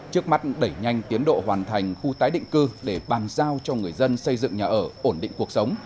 trước mắt đẩy nhanh tiến độ hoàn thành khu tái định cư để bàn giao cho người dân xây dựng nhà ở ổn định cuộc sống